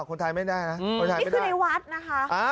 คนไทยไม่แน่นะนี่คือในวัดนะคะ